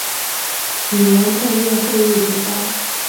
语言创建会议主办。